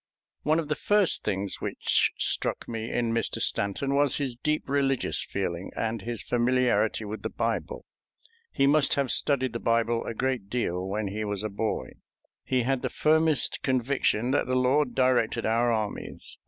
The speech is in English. One of the first things which struck me in Mr. Stanton was his deep religious feeling and his familiarity with the Bible. He must have studied the Bible a great deal when he was a boy. He had the firmest conviction that the Lord directed our armies.